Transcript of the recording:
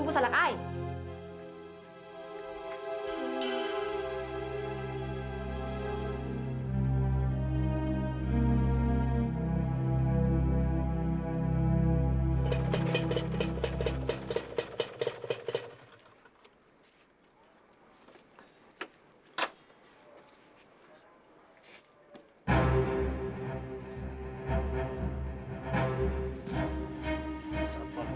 kasih dia makan kasih dia makan